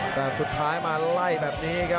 แต่สุดท้ายมาไล่แบบนี้ครับ